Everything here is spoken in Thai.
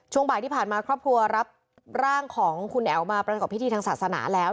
บ่ายที่ผ่านมาครอบครัวรับร่างของคุณแอ๋วมาประกอบพิธีทางศาสนาแล้ว